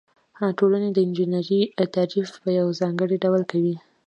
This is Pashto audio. ټولنې د انجنیری تعریف په یو ځانګړي ډول کوي.